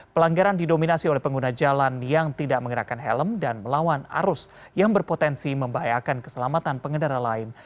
pelanggaran didominasi oleh pengguna jalan yang tidak mengenakan helm dan melawan arus yang berpotensi membahayakan keselamatan pengendara lain